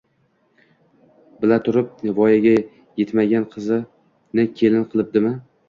Bilaturib, voyaga etmagan qizni kelin qilibdimi